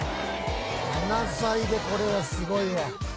７歳でこれはすごいわ。